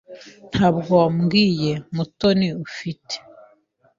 Ntabwo wabwiye Mutoni, ufite?